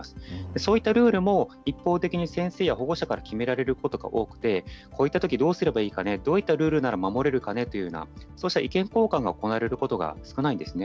そういったルールも、一方的に先生や保護者から決められることが多くて、こういったときどうすればいいかね、どういったルールなら守れるかねというようなそうした意見交換が行われることが少ないんですね。